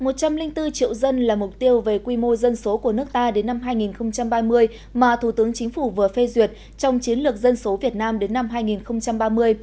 một trăm linh bốn triệu dân là mục tiêu về quy mô dân số của nước ta đến năm hai nghìn ba mươi mà thủ tướng chính phủ vừa phê duyệt trong chiến lược dân số việt nam đến năm hai nghìn ba mươi